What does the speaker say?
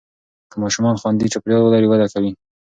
که ماشومان خوندي چاپېریال ولري، وده کوي.